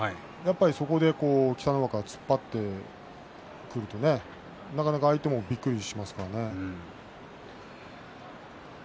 そこで北の若、突っ張ってくるとなかなか相手もびっくりします。